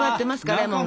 レモンが。